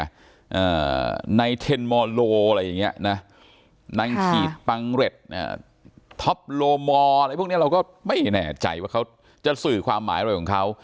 อ่าอะไรอย่างเงี้ยน่ะค่ะนางขีดปังเร็ดอ่าพวกเนี้ยเราก็ไม่แน่ใจว่าเขาจะสื่อความหมายอะไรของเขา